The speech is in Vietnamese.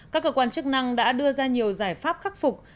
các cơ quan chức năng đã đưa ra nhiều giải pháp khắc phục